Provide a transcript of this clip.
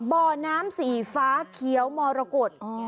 บ่อน้ำสีฟ้าเขียวมรกฏ